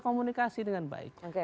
komunikasi dengan baik